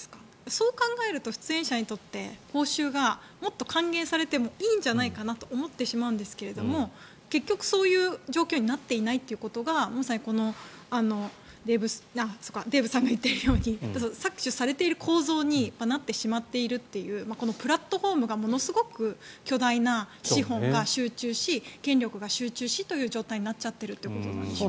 そう考えると出演者にとって報酬がもっと還元されてもいいんじゃないかなと思ってしまうんですが結局、そういう状況になっていないということがデーブさんが言っているように搾取されている構造になってしまっているというプラットフォームがものすごく巨大な資本が集中し権力が集中しという状態になっているということですね。